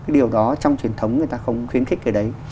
điều đó trong truyền thống người ta không khuyến khích cái đấy